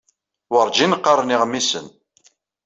Werǧin qqaren iɣmisen.